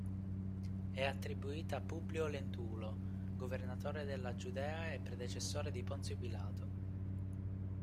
È attribuita a Publio Lentulo, governatore della Giudea e predecessore di Ponzio Pilato.